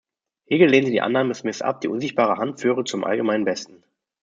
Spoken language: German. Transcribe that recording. Hegel lehnte die Annahme Smiths ab, die unsichtbare Hand führe zum allgemeinen Besten.